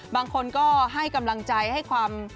บางคนก็ให้กำลังใจให้ความ